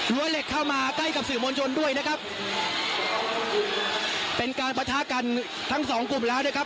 เหล็กเข้ามาใกล้กับสื่อมวลชนด้วยนะครับเป็นการประทะกันทั้งสองกลุ่มแล้วนะครับ